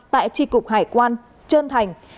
tại tri cục hải quan trơn thành